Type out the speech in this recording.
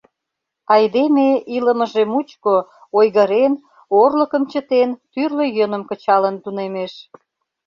Айдеме илымыже мучко, ойгырен, орлыкым чытен, тӱрлӧ йӧным кычалын тунемеш.